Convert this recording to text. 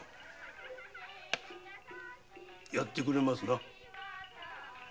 やってくれますな？